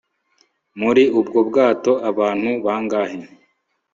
Muri ubwo bwato abantu bangahe